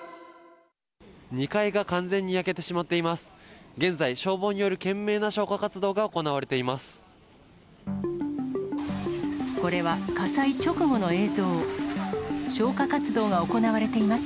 ２階が完全に焼けてしまっています。